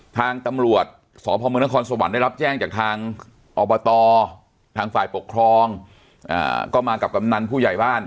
ทางตำรวจสพมนครสวรรค์ได้รับแจ้งจากทางอบตทางฝ่ายปกครองก็มากับกำนันผู้ใหญ่บ้าน